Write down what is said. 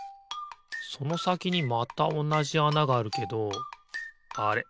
そのさきにまたおなじあながあるけどあれ？